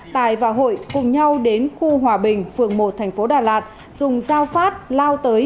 tài và hội cùng nhau đến khu hòa bình phường một thành phố đà lạt dùng dao phát lao tới